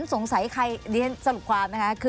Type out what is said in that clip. สงสัยใครสรุปความนะครับ